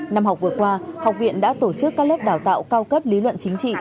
năm học vừa qua học viện đã tổ chức các lớp đào tạo cao cấp lý luận chính trị